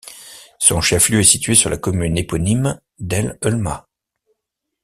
Son chef-lieu est situé sur la commune éponyme d'El Eulma.